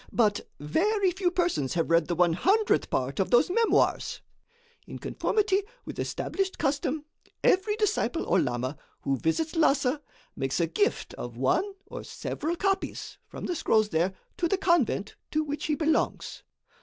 But very few persons have read the one hundredth part of those memoirs. In conformity with established custom, every disciple or lama who visits Lhassa makes a gift of one or several copies, from the scrolls there, to the convent to which he belongs.